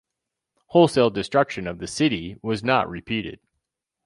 Wholesale destruction of the city was not repeated.